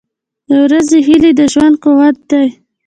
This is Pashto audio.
• د ورځې هیلې د ژوند قوت دی.